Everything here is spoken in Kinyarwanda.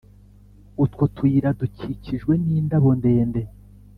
Utwo tuyira dukikijwe n’indabo ndende